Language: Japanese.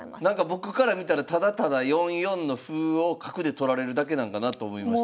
僕から見たらただただ４四の歩を角で取られるだけなんかなと思います。